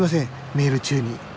メール中に。